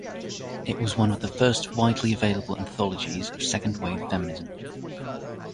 It was one of the first widely available anthologies of second-wave feminism.